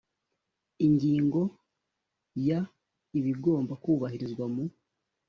ingingo ya ibigomba kubahirizwa mu